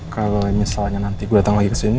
kalau misalnya nanti gue datang lagi kesini